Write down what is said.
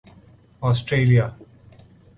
Australia